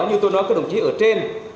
như tôi nói các đồng chí ở trên